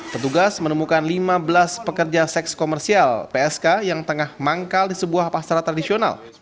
petugas menemukan lima belas pekerja seks komersial psk yang tengah manggal di sebuah pasar tradisional